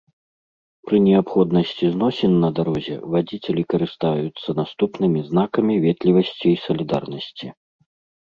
Пры неабходнасці зносін на дарозе вадзіцелі карыстаюцца наступнымі знакамі ветлівасці і салідарнасці.